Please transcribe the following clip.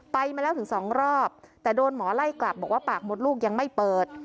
มาแล้วถึงสองรอบแต่โดนหมอไล่กลับบอกว่าปากมดลูกยังไม่เปิด